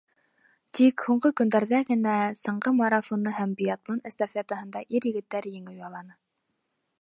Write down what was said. Тик һуңғы көндәрҙә генә саңғы марафоны һәм биатлон эстафетаһында ир-егеттәр еңеү яуланы.